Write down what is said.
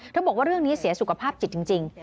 บอกว่าเรื่องนี้เสียสุขภาพจิตจริง